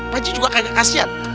bu aji juga kagak kasihan